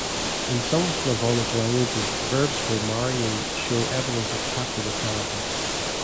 In some Slavonic languages, verbs for marrying show evidence of patrilocality.